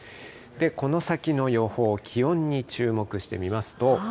この先の予報、気温に注目してみますと。